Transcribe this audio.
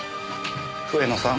笛野さん。